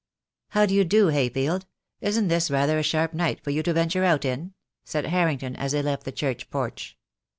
"How do you do, Hayfield? Isn't this rather a sharp night for you to venture out in?" said Harrington, as they left the church porch.